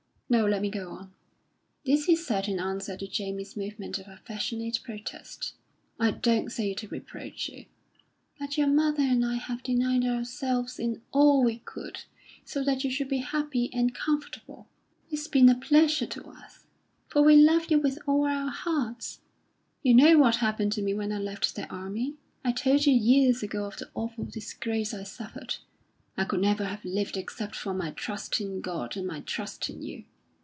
No; let me go on." This he said in answer to Jamie's movement of affectionate protest. "I don't say it to reproach you, but your mother and I have denied ourselves in all we could so that you should be happy and comfortable. It's been a pleasure to us, for we love you with all our hearts. You know what happened to me when I left the army. I told you years ago of the awful disgrace I suffered. I could never have lived except for my trust in God and my trust in you.